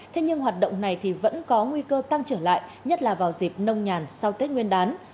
thế nhưng hoạt động này thì vẫn có nguy cơ tăng trở lại nhất là vào dịp nông nhàn sau tết nguyên đán